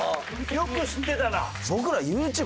よく知ってたな。